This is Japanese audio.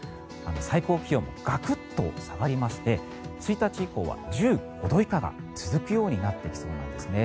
最高気温もガクッと下がりまして１日以降は１５度以下が続くようになってきそうなんですね。